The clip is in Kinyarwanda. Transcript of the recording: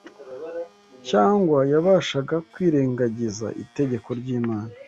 Cyangwa yabashaga kwirengagiza itegeko ry’Imana